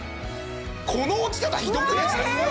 この落ち方ひどくないですか？